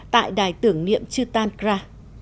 tại đài tưởng niệm chutankra